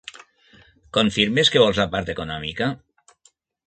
Confirmes que vols la part econòmica?